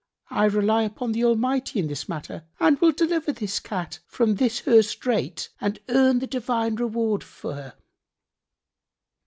I rely upon the Almighty in this matter and will deliver this Cat from this her strait and earn the divine reward for her."